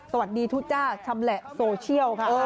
สวัสดีทุกจ้าชำแหละโซเชียลค่ะ